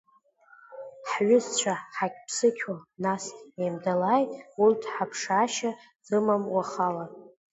Ҳҩызцәа ҳақьԥсықьуа нас еимдалааит, урҭ ҳаԥшаашьа рымам уахала!